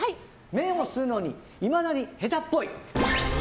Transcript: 麺をすするのいまだに下手っぽい。